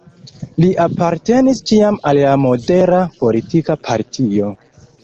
Li apartenis ĉiam al la modera politika partio.